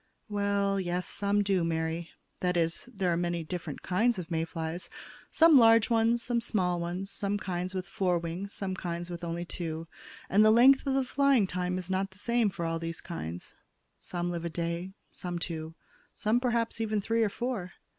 "Well, yes, some do, Mary. That is, there are many different kinds of May flies; some large ones, some small ones, some kinds with four wings, some kinds with only two, and the length of the flying time is not the same for all these kinds. Some live a day, some two, some perhaps even three or four.